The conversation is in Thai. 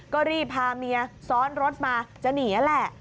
ก็รีบพาเมียซ้อนรถมาจะหนีแหละ